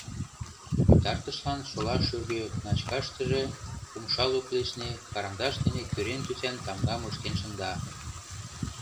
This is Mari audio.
Пытартышлан шола шӱргӧ начкаштыже, умша лук лишне, карандаш дене кӱрен тӱсан тамгам ыштен шында.